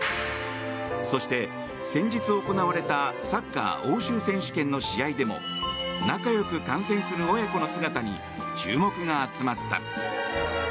そして、先日行われたサッカー欧州選手権の試合でも仲良く観戦する親子の姿に注目が集まった。